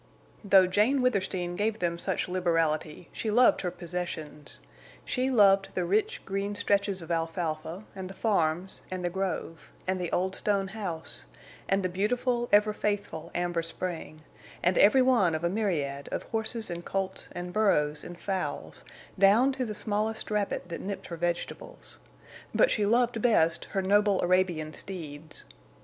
Though Jane Withersteen gave them such liberality, she loved her possessions. She loved the rich, green stretches of alfalfa, and the farms, and the grove, and the old stone house, and the beautiful, ever faithful amber spring, and every one of a myriad of horses and colts and burros and fowls down to the smallest rabbit that nipped her vegetables; but she loved best her noble Arabian steeds.